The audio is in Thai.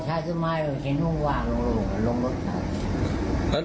ถอดแมวขวน